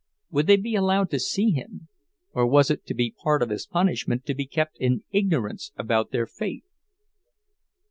Would they be allowed to see him—or was it to be part of his punishment to be kept in ignorance about their fate?